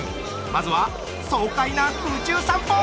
まずは爽快な空中散歩！